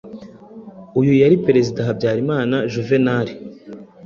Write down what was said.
uyu yari Perezida Habyarimana Juvenal.